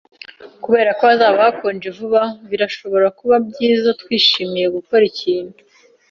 Kubera ko hazaba hakonje vuba, birashobora kuba byiza twishimiye gukora ikintu